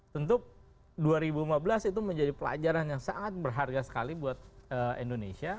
tentu dua ribu lima belas itu menjadi pelajaran yang sangat berharga sekali buat indonesia